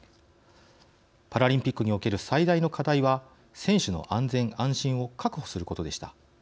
パラリンピックにおける最大の課題は選手の安全・安心を確保することでした。